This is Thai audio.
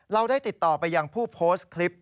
เราได้ติดต่อไปยังผู้โพสต์คลิป